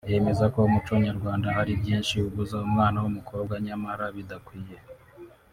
yemeza ko umuco nyarwanda hari byinshi ubuza umwana w’umukobwa nyamara bidakwiye